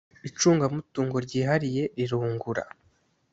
icungamutungo ryihariye rirungura